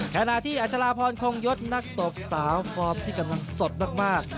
ขณะที่อัชราพรคงยศนักตบสาวฟอร์มที่กำลังสดมาก